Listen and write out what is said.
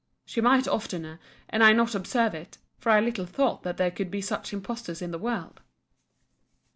She might oftener, and I not observe it; for I little thought that there could be such impostors in the world.